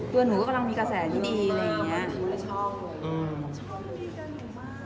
เพื่อนหนูก็กำลังมีกระแสที่ดี